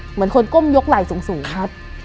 เหมือนคนนนี้มีก้มยกไหล่สูง